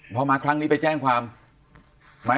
เขามาครั้งนี้ไปแจ้งความไหม